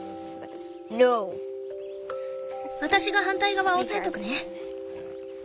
私が反対側押さえとくね。